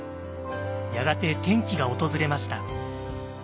やがて転機が訪れました。